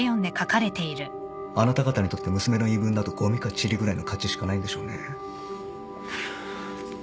あなた方にとって娘の言い分などごみかちりぐらいの価値しかないんでしょうね。